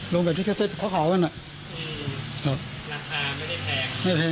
ลงแบบที่เขาของกันน่ะอืมครับราคาไม่ได้แพง